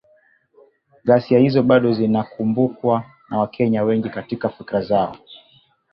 “Ghasia hizo bado zinakumbukwa na Wakenya wengi katika fikra zao"